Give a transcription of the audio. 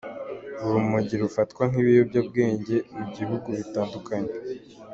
Urumogi rufatwa nk’ikiyobyabwenge mu bihugu bitandukanye.